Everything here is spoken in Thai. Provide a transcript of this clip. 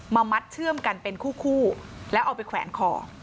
มัดเชื่อมกันเป็นคู่แล้วเอาไปแขวนคอ